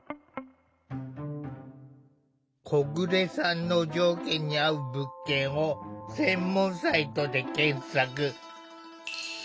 小暮さんの条件に合う物件を専門サイトで検索。